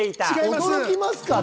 驚きますかね？